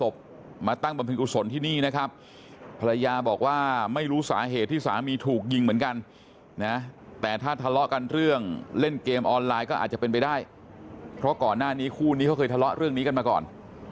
หน้านี้คู่นี่เขาเคยทะเลาะเรื่องนี้กันมาก่อน